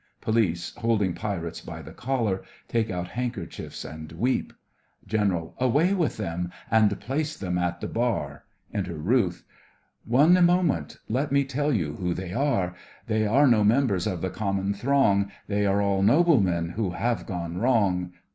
(POLICE, holding PIRATES by the collar, take out handkerchiefs and weep.) GENERAL: Away with them, and place them at the bar! (Enter RUTH) RUTH: One moment! let me tell you who they are. They are no members of the common throng; They are all noblemen who have gone wrong.